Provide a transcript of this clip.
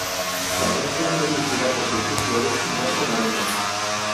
La mezcla fue dirigida por Jesús Flores y Marco Moreno.